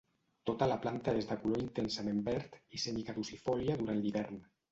Tota la planta és de color intensament verd i semicaducifòlia durant l'hivern.